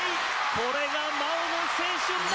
これが真央の青春だ！